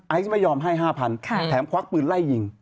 ไอซ์ไม่ยอมให้๕๐๐๐บาทแถมควักปืนไล่ยิง